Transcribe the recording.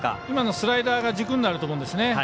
今のスライダーが軸になると思うんですね。